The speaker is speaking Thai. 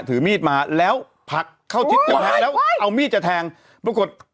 ถือมีดมาแล้วผักเข้าแล้วเอามีดจะแทงปรากฏ